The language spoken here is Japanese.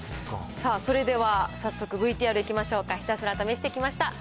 さあ、それでは早速、ＶＴＲいきましょうか、ひたすら試してきました。